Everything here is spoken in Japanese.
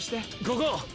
ここ！